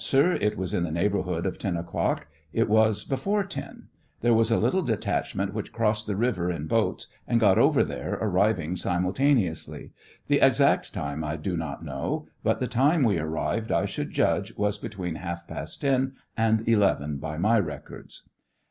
It was in the neighborhood of ten o'clock ; it was 53 before ten ; there was a little detachment which crossed the river in boats and got over there, arriving' simul taneously; the exact time I do not know, but the time we arrived, I should judgei, was between half past ten and eleven, by my records.